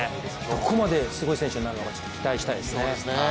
どこまですごい選手になるのか期待したいですね。